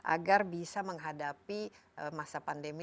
agar bisa menghadapi masa pandemi